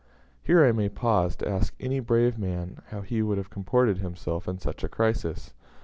Here I may pause to ask any brave man how he would have comported himself in such a crisis.